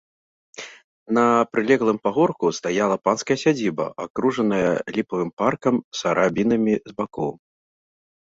На прылеглым пагорку стаяла панская сядзіба, акружаная ліпавым паркам з арабінамі з бакоў.